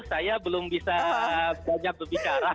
saya belum bisa banyak berbicara